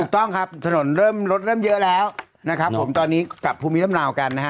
ต้องครับถนนเริ่มรถเริ่มเยอะแล้วนะครับผมตอนนี้กลับภูมิลำนาวกันนะฮะ